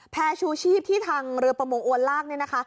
ชูชีพที่ทางเรือประมงอวนลากเนี่ยนะคะ